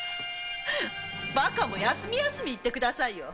バカも休み休み言って下さいよ。